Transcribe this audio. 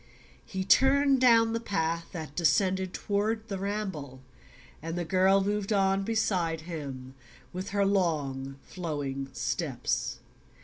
He turned down the path that descended toward the Ramble and the girl moved on beside him with her long flowing steps.